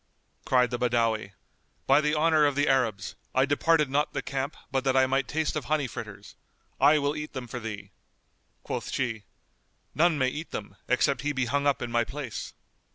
Cried the Badawi, "By the honour of the Arabs, I departed not the camp but that I might taste of honey fritters! I will eat them for thee." Quoth she, "None may eat them, except he be hung up in my place."